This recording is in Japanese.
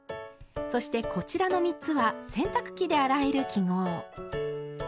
そしてこちらの３つは洗濯機で洗える記号。